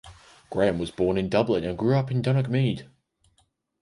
Graham was born in Dublin and grew up in Donaghmede.